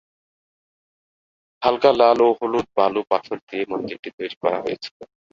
হালকা লাল ও হলুদ বালু পাথর দিয়ে মন্দিরটি তৈরি করা হয়েছিল।